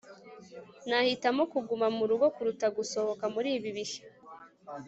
nahitamo kuguma murugo kuruta gusohoka muri ibi bihe